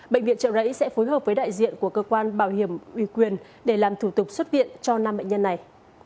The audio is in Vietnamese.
bệnh viện trợ rẫy sẽ phối hợp với đại diện của cơ quan bảo hiểm uy quyền để làm thủ tục xuất viện cho năm bệnh nhân này